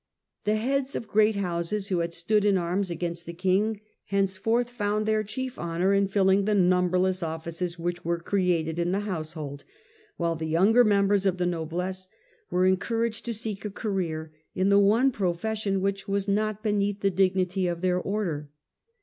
The heads of great houses who had stood in arms against the King henceforth found their chief honour in filling the numberless offices which were created in the house hold, while the younger members of the noblesse were encouraged to seek a career in the one profession which was not beneath the dignity of their order.